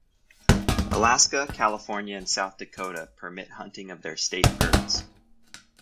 Alaska, California, and South Dakota permit hunting of their state birds.